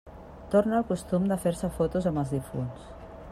Torna el costum de fer-se fotos amb els difunts.